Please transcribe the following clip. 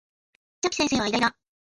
チャピ先生は偉大だ